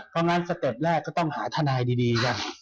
เพราะงั้นสเต็ปแรกก็ต้องหาทนายดีกัน